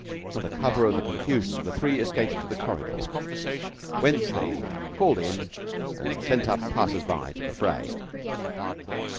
Under cover of the confusion the three escaped to the corridor, whence they called in and sent up passers by to the fray.